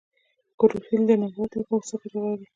کلوروفیل د نبات لپاره څه ګټه لري